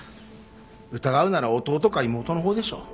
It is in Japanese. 疑うなら弟か妹のほうでしょ。